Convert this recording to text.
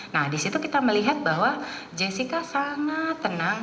nah di situ kita melihat bahwa jessica sangat tenang